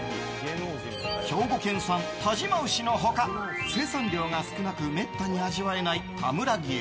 兵庫県産但馬牛の他生産量が少なくめったに味わえない田村牛